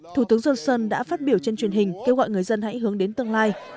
thủ tướng johnson đã phát biểu trên truyền hình kêu gọi người dân hãy hướng đến tương lai